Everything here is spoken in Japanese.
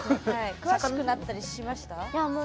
詳しくなったりしました？